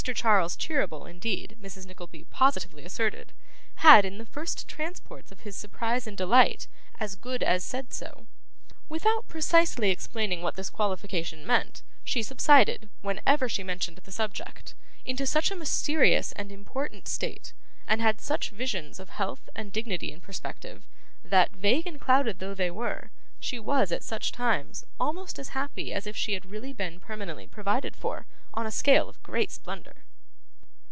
Charles Cheeryble, indeed, Mrs. Nickleby positively asserted, had, in the first transports of his surprise and delight, 'as good as' said so. Without precisely explaining what this qualification meant, she subsided, whenever she mentioned the subject, into such a mysterious and important state, and had such visions of wealth and dignity in perspective, that (vague and clouded though they were) she was, at such times, almost as happy as if she had really been permanently provided for, on a scale of great splendour.